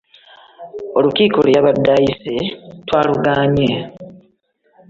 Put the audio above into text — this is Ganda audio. Olukiiko lwe yabadde ayise twalugaanyi.